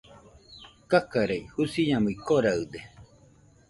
Kakarei, Jusiñamui koraɨde